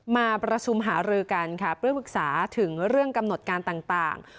มาประชุมหารือกันค่ะเพื่อปรึกษาถึงเรื่องกำหนดการต่าง